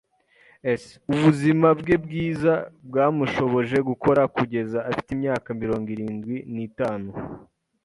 [S] Ubuzima bwe bwiza bwamushoboje gukora kugeza afite imyaka mirongo irindwi n'itanu.